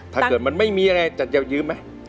ถ้าเกิดมันไม่มีอะไรจะยืมไหม